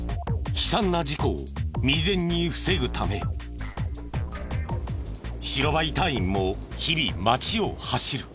悲惨な事故を未然に防ぐため白バイ隊員も日々街を走る。